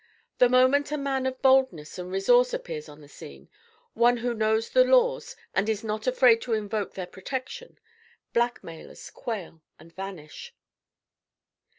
The moment a man of boldness and resource appears on the scene, one who knows the laws and is not afraid to invoke their protection, black mailers quail and vanish.